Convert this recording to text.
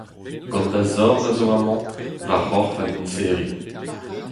Gant da zorn a zo amañ va c'horf a liñseri.